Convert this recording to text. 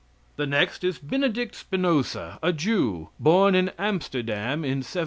The next is Benedict Spinoza, a Jew, born at Amsterdam in 1768.